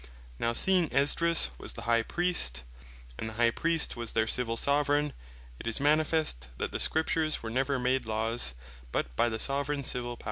Now seeing Esdras was the High Priest, and the High Priest was their Civill Soveraigne, it is manifest, that the Scriptures were never made Laws, but by the Soveraign Civill Power.